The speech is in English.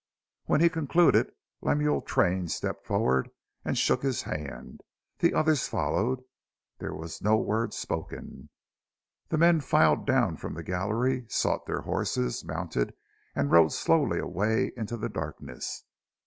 When he had concluded Lemuel Train stepped forward and shook his hand. The others followed. There was no word spoken. The men filed down from the gallery, sought their horses, mounted, and rode slowly away into the darkness.